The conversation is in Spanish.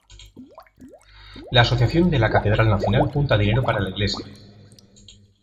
La "Asociación de la Catedral Nacional", junta dinero para la iglesia.